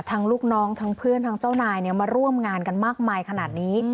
ลูกน้องทั้งเพื่อนทั้งเจ้านายมาร่วมงานกันมากมายขนาดนี้